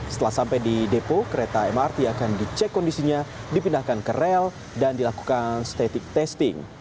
setelah sampai di depo kereta mrt akan dicek kondisinya dipindahkan ke rel dan dilakukan static testing